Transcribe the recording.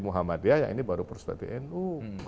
muhammadiyah yang ini baru perspektif nu